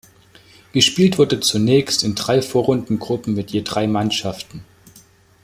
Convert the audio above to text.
Gespielt wurde zunächst in drei Vorrundengruppen mit je drei Mannschaften.